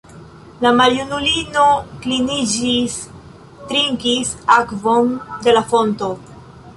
La maljunulino kliniĝis, trinkis akvon de la fonto.